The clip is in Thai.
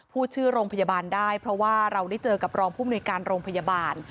พูดชื่อโรงพยาบาลได้เพราะว่าเราได้เจอกับรองผู้มนุยการโรงพยาบาล